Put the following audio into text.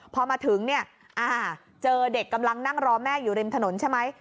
พอมาถึงเนี่ยเจอเด็กกำลังนั่งรอแม่อยู่ริมถนนใช่ไหม